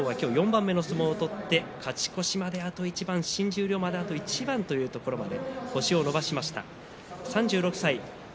東の筆頭玉正鳳は今日４番目の相撲を取って勝ち越しますと新十両まではあと一番というところまで星を伸ばしました。